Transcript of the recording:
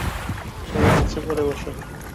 সবাই নিচে বসে পড়ো।